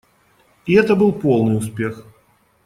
И это был полный успех.